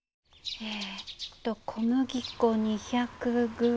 えっと小麦粉２００ｇ。